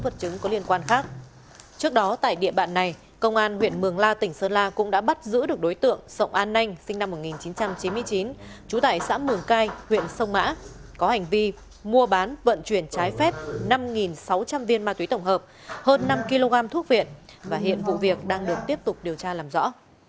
trước đó tại địa bản này công an huyện mường la tỉnh sơn la cũng đã bắt giữ được đối tượng sộng an nanh sinh năm một nghìn chín trăm chín mươi chín chú tại xã mường cai huyện sông mã có hành vi mua bán vận chuyển trái phép năm sáu trăm linh viên ma túy tổng hợp hơn năm kg thuốc viện và hiện vụ việc đang được tiếp tục điều tra làm rõ